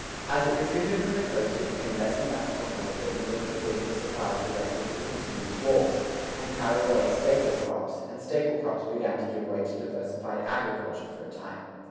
As it retreated from the coast it became less and less possible for England to bring her supplies directly to the consumer's wharfs, and carry away staple crops, and staple crops began to give way to diversified agriculture for a time.